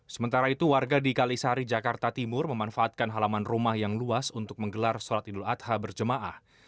sementara itu warga di kalisari jakarta timur memanfaatkan halaman rumah yang luas untuk menggelar sholat idul adha berjemaah